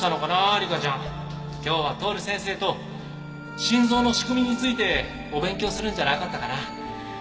理香ちゃん。今日は徹先生と心臓の仕組みについてお勉強するんじゃなかったかな。